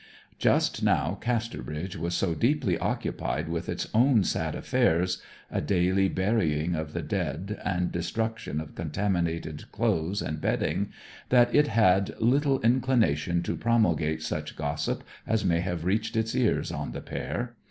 Just now Casterbridge was so deeply occupied with its own sad affairs a daily burying of the dead and destruction of contaminated clothes and bedding that it had little inclination to promulgate such gossip as may have reached its ears on the pair.